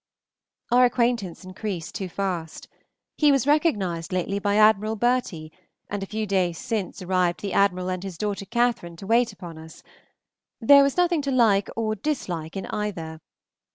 Our acquaintance increase too fast. He was recognized lately by Admiral Bertie, and a few days since arrived the Admiral and his daughter Catherine to wait upon us. There was nothing to like or dislike in either.